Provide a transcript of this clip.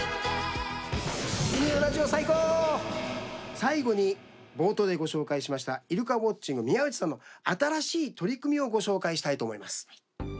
最後に、冒頭でご紹介したイルカウォッチング宮内さんの新しい取り組みをご紹介したいと思います。